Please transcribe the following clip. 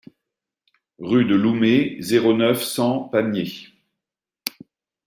Rue de Loumet, zéro neuf, cent Pamiers